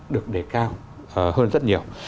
được đề cao hơn rất nhiều